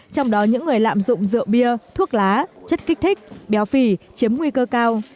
trong đó những người lạm dụng rượu bia thuốc lá chất kích thích béo phì chiếm nguy cơ cao